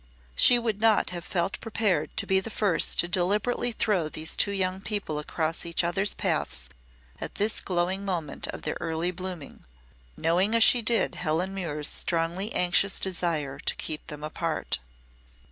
She would not have felt prepared to be the first to deliberately throw these two young people across each other's paths at this glowing moment of their early blooming knowing as she did Helen Muir's strongly anxious desire to keep them apart.